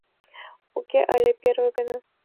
— Уке, але первый гана...